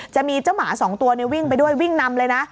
จะมีเจ้าหมา๒ตัววิ่งไปด้วยวิ่งนำเลยนะ